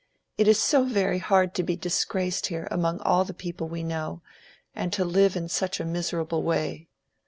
"It is so very hard to be disgraced here among all the people we know, and to live in such a miserable way.